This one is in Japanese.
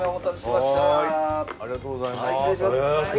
ありがとうございます。